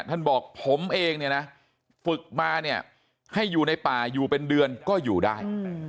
ท่านบอกผมเองเนี่ยนะฝึกมาเนี่ยให้อยู่ในป่าอยู่เป็นเดือนก็อยู่ได้